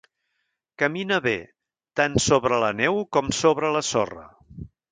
Camina bé tant sobre la neu com sobre la sorra.